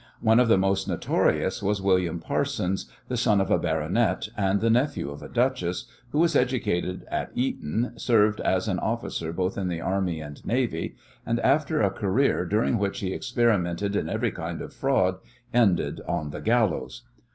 One of the most notorious was William Parsons, the son of a baronet, and the nephew of a duchess, who was educated at Eton, served as an officer both in the army and navy, and, after a career during which he experimented in every kind of fraud, ended on the gallows.